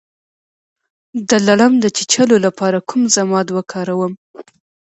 د لړم د چیچلو لپاره کوم ضماد وکاروم؟